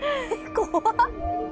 怖っ！